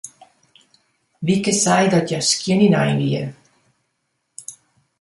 Wieke sei dat hja skjin ynein wie.